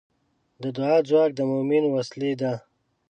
د دعا ځواک د مؤمن وسلې ده.